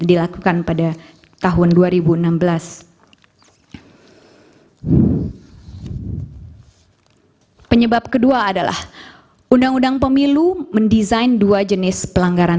dilakukan pada tahun dua ribu enam belas penyebab kedua adalah undang undang pemilu mendesain dua jenis pelanggaran